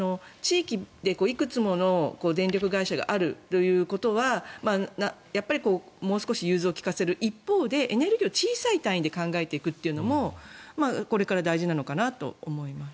地域でいくつもの電力会社があるということはもう少し融通を利かせる一方でエネルギーを小さい単位で考えていくというのもこれから大事なのかなと思います。